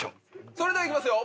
それではいきますよ